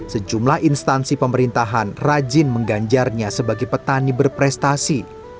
sejumlah instansi pemerintahan rajin mengganjarnya sebagai petani berprestasi